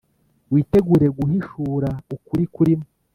witegure guhishura ukuri kurimo,